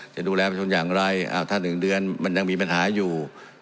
จะดูแลประชนอย่างไรถ้า๑เดือนมันยังมีปัญหาอยู่